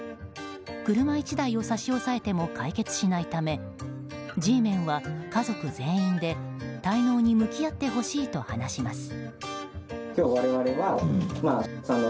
車１台を差し押さえても解決しないためＧメンは家族全員で滞納に向き合ってほしいと話します。